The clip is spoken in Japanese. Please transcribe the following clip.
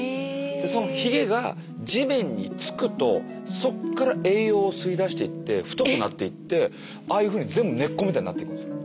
そのひげが地面につくとそこから栄養を吸い出していって太くなっていってああいうふうに全部根っこみたいになってくんですよ。